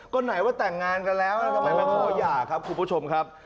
ก็ไหนว่าแต่งงานกันแล้วแล้วทำไมไม่ขอหย่าครับคุณผู้ชมครับ